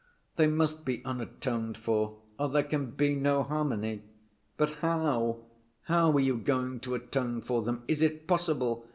They must be atoned for, or there can be no harmony. But how? How are you going to atone for them? Is it possible?